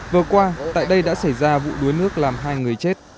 vừa qua tại đây đã xảy ra vụ đuối nước làm hai người chết